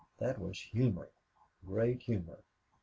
That was humor great humor.